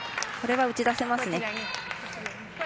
これは打ち出せますね。